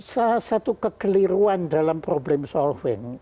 salah satu kekeliruan dalam problem solving